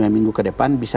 satu dua minggu ke depan bisa